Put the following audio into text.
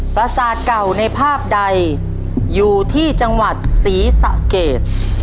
ประสาทเก่าในภาพใดอยู่ที่จังหวัดศรีสะเกด